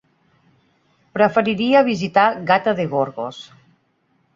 Preferiria visitar Gata de Gorgos.